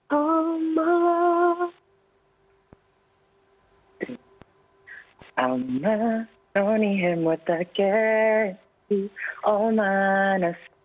kau juga seperti gue tapi mungkin prabin terus lebih berwadis di indonesia